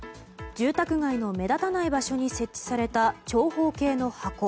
住宅街の目立たない場所に設置された長方形の箱。